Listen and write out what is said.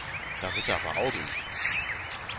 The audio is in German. Da wird er aber Augen machen!